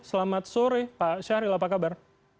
selamat sore pak syahril apa kabar